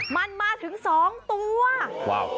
มันมาถึงสองตัว